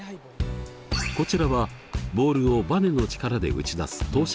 こちらはボールをバネの力で打ち出す投射装置。